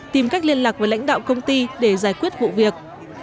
tìm cách liên lạc với lãnh đạo công ty để giải quyết vụ việc